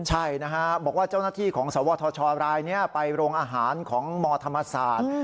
ใช่นะฮะบอกว่าเจ้าหน้าที่ของสวทชรายนี้ไปโรงอาหารของมธรรมศาสตร์